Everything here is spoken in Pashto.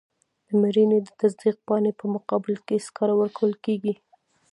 د مړینې د تصدیق پاڼې په مقابل کې سکاره ورکول کیږي.